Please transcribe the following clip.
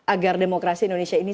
agar demokrasi indonesia ini